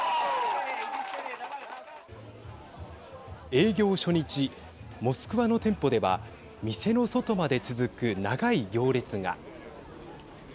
営業初日、モスクワの店舗では店の外まで続く長い行列が。